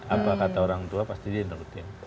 apa kata orang tua pasti dia yang menurutin